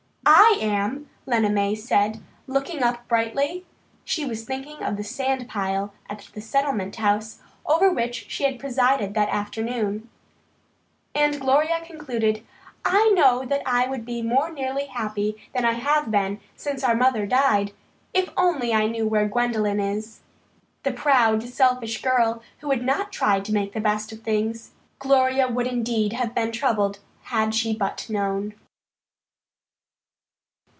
"I am," Lena May said, looking up brightly. She was thinking of the sandpile at the Settlement House over which she had presided that afternoon. And Gloria concluded: "I know that I would be more nearly happy than I have been since our mother died, if only I knew where Gwendolyn is." And where was Gwendolyn, the proud, selfish girl who had not tried to make the best of things? Gloria would indeed have been troubled had she but known.